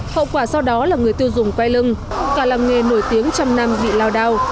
hậu quả sau đó là người tiêu dùng quay lưng cả làng nghề nổi tiếng trăm năm bị lao đao